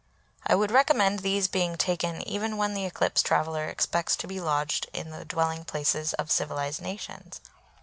I would recommend these being taken even when the eclipse traveller expects to be lodged in the dwelling places of civilised nations.